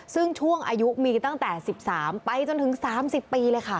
ซึ่งช่วงอายุมีตั้งแต่๑๓ไปจนถึง๓๐ปีเลยค่ะ